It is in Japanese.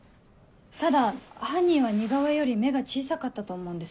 ただ犯人は似顔絵より目が小さかったと思うんです。